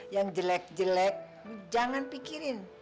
yang jelek jelek jangan pikirin